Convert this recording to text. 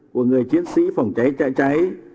của người chiến sĩ phòng cháy trợ cháy